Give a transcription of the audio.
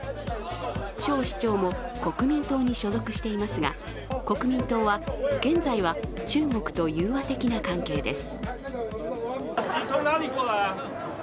蒋市長も国民党に所属していますが国民党は、現在は中国と融和的な関係です。